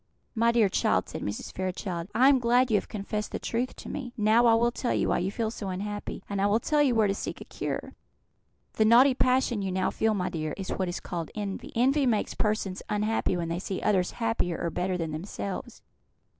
"My dear child," said Mrs. Fairchild, "I am glad you have confessed the truth to me. Now I will tell you why you feel so unhappy, and I will tell you where to seek a cure. The naughty passion you now feel, my dear, is what is called Envy. Envy makes persons unhappy when they see others happier or better than themselves.